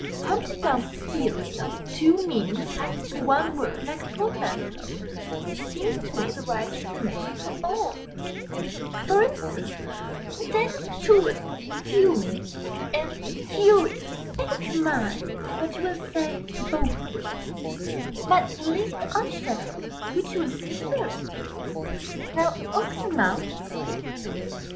Humpty Dumpty's theory, of two meanings packed into one word like a portmanteau, seems to me the right explanation for all. For instance, take the two words "fuming" and "furious." Make up your mind that you will say both words, but leave it unsettled which you will first. Now open your mouth and speak.